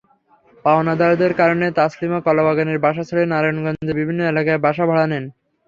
পাওনাদারদের কারণে তাসলিমা কলাবাগানের বাসা ছেড়ে নারায়ণগঞ্জের বিভিন্ন এলাকায় বাসা ভাড়া নেন।